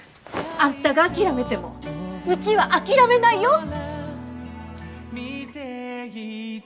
あんたが諦めてもうちは諦めないよ。